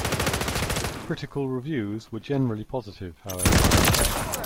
Critical reviews were generally positive, however.